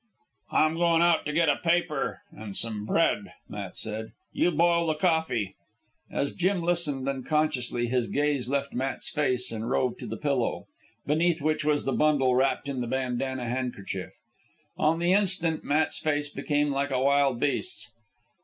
"I'm goin' out to get a paper an' some bread," Matt said. "You boil the coffee." As Jim listened, unconsciously his gaze left Matt's face and roved to the pillow, beneath which was the bundle wrapped in the bandanna handkerchief. On the instant Matt's face became like a wild beast's.